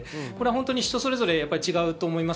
人それぞれ違うと思います。